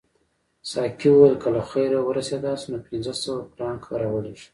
ساقي وویل که له خیره ورسیداست نو پنځه سوه فرانکه راولېږه.